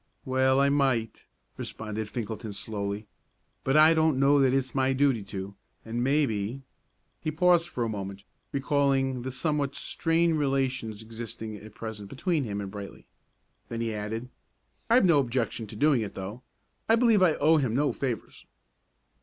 "Well, I might," responded Finkelton, slowly; "but I don't know that it's my duty to, and maybe " He paused for a moment, recalling the somewhat strained relations existing at present between him and Brightly; then he added: "I've no objection to doing it, though. I believe I owe him no favors."